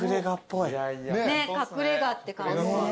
ねえ隠れ家って感じ。